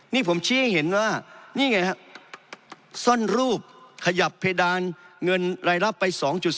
นี่ผมชี้ให้เห็นว่านี่ไงฮะซ่อนรูปขยับเพดานเงินรายรับไป๒๔